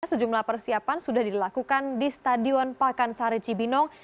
sejumlah persiapan sudah dilakukan di stadion pakansari cibinong